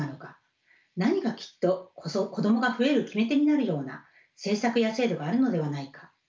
何かきっと子どもが増える決め手になるような政策や制度があるのではないか？